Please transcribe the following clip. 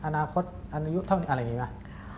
อนาคตอายุเท่านี้อะไรอย่างนี้ป่ะ